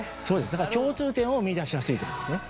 だから共通点を見いだしやすいということですね。